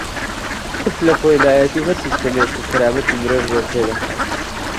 تف لە کۆیلایەتی و هەر سیستەمێک کە کەرامەتی مرۆڤ ژێرپێ دەخات.